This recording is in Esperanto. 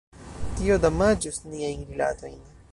Tio damaĝus niajn rilatojn.